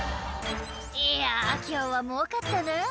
「いや今日はもうかったなぁ」